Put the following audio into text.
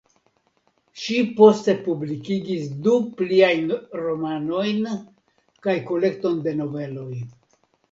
Ŝi poste publikigis du pliajn romanojn kaj kolekton de noveloj.